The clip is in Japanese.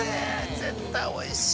◆絶対おいしい。